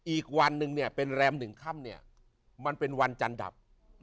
อีกวันนึงเนี่ยเป็นแรม๑ค่ำเนี่ยมันเป็นวันจันดับ